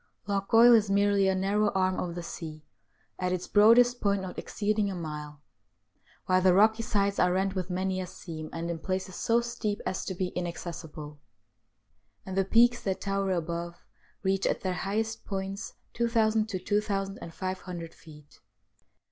Loch Goil is merely a narrow arm of the sea, at its broadest point not exceeding a mile, while the rocky sides are rent with many a seam, and in places so steep as to be inaccessible, and the peaks that tower above reach at their highest points 2,000 to 2,500 feet.